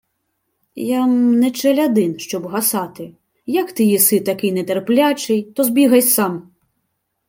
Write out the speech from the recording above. — Я-м не челядин, щоб гасати. Як ти єси такий нетерплячий, то збігай сам.